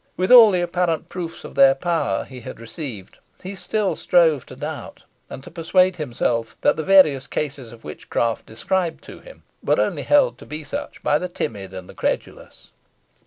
With all the apparent proofs of their power he had received, he still strove to doubt, and to persuade himself that the various cases of witchcraft described to him were only held to be such by the timid and the credulous.